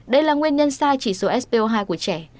đây là nguyên nhân sai chỉ số spo hai của trẻ